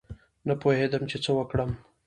نه پوهېدم چې څه وکړم.